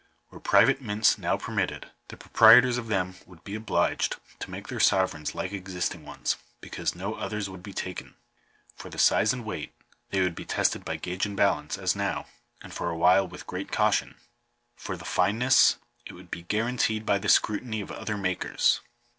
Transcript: Were private mints now permitted, the pro prietors of them would be obliged to make their sovereigns like existing ones, because no others would be taken. For the size and weight— they would be tested by gauge and balance, as now (and for a while with great caution). For the fineness — it would be guaranteed by the scrutiny of other makers.